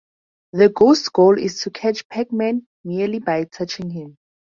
The Ghosts' goal is to catch Pac-Man, merely by touching him.